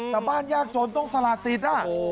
แต่บ้านยากจนต้องสละสิทธิ์